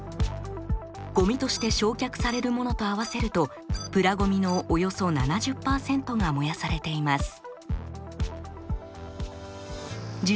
ごみとして焼却されるものと合わせるとプラごみのおよそ７０％が燃やされています。